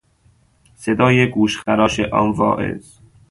صدای گوشخراش آن واعظ